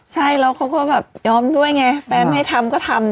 ใช่แล้วเขาก็แบบยอมด้วยไงแฟนไม่ทำก็ทำ